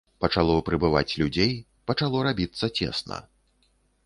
Пачало прыбываць людзей, пачало рабіцца цесна.